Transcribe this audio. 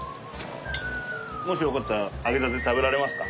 もしよかったら揚げたて食べられますか？